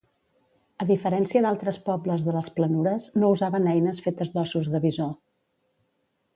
A diferència d'altres pobles de les planures no usaven eines fetes d'ossos de bisó.